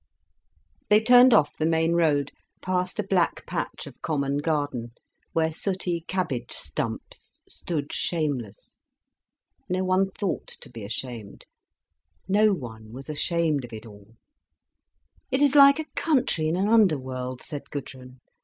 They turned off the main road, past a black patch of common garden, where sooty cabbage stumps stood shameless. No one thought to be ashamed. No one was ashamed of it all. "It is like a country in an underworld," said Gudrun.